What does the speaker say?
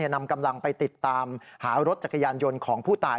นำกำลังไปติดตามหารถจักรยานยนต์ของผู้ตาย